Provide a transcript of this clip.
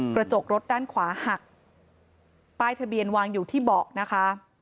กระจกรถด้านขวาหักป้ายทะเบียนวางอยู่ที่เบาะนะคะ